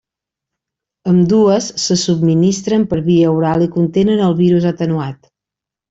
Ambdues se subministren per via oral i contenen el virus atenuat.